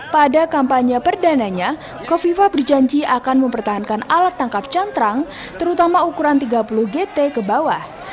pada kampanye perdananya kofifa berjanji akan mempertahankan alat tangkap cantrang terutama ukuran tiga puluh gt ke bawah